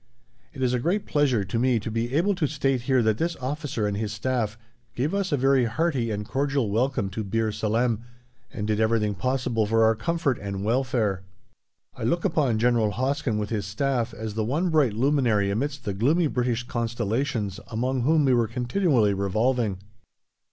It is a great pleasure to me to be able to state here that this officer and his Staff gave us a very hearty and cordial welcome to Bir Salem, and did everything possible for our comfort and welfare. I look upon General Hoskin with his Staff as the one bright luminary amidst the gloomy British constellations among whom we were continually revolving!